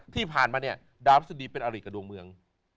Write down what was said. ที่ผ่านมาดาวพระราชสมดีเป็นอะไรกับดวงเมือง